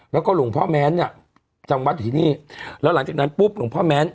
แล้วก็หลวงพ่อแม้นเนี่ยจำวัดอยู่ที่นี่แล้วหลังจากนั้นปุ๊บหลวงพ่อแม้น